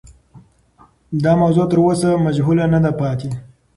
دا موضوع تر اوسه مجهوله نه ده پاتې.